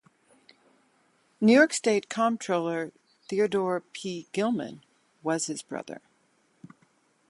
New York State Comptroller Theodore P. Gilman was his brother.